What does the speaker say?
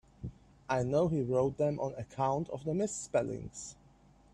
I know he wrote them on account of the misspellings.